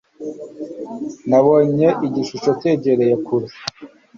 Nabonye igishusho cyegereye kure.